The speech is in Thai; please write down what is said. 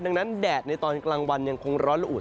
ดังนั้นแดดในตอนกลางวันยังคงร้อนละอุด